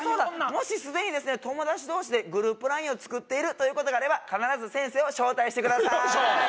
もし既に友達同士でグループＬＩＮＥを作っているということがあれば必ず先生を招待してくださいよいしょ！